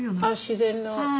ああ自然の。